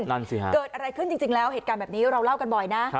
นั่นสิฮะเกิดอะไรขึ้นจริงแล้วเหตุการณ์แบบนี้เราเล่ากันบ่อยนะ